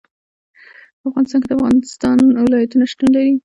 په افغانستان کې د افغانستان ولايتونه شتون لري.